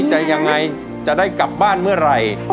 จะยังไงจะได้กลับบ้านเมื่อไหร่